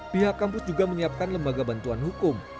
pihak kampus juga menyiapkan lembaga bantuan hukum